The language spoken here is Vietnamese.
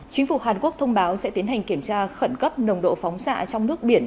chính phủ hàn quốc thông báo sẽ tiến hành kiểm tra khẩn cấp nồng độ phóng xạ trong nước biển